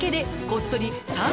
こっそり。